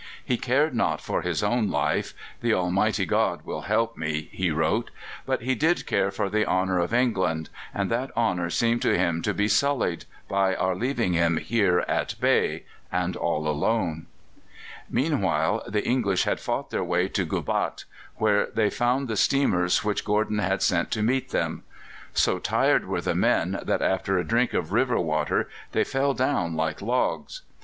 He cared not for his own life "The Almighty God will help me," he wrote but he did care for the honour of England, and that honour seemed to him to be sullied by our leaving him here at bay and all alone! Meanwhile, the English had fought their way to Gubat, where they found the steamers which Gordon had sent to meet them. So tired were the men that, after a drink of river water, they fell down like logs.